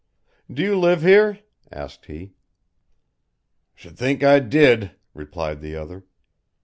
"Do you live here?" asked he. "Sh'd think I did," replied the other.